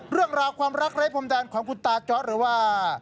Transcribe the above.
เรื่องราวความรักไร้พรมแดนของคุณตาจ๊อตหรือว่า